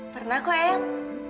pernah kok ayang